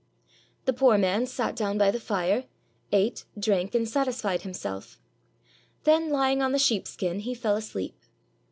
The poor man sat down by the fire, ate, drank, and sat isfied himself; then lying on the sheepskin, he fell asleep.